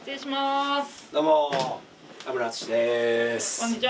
こんにちは。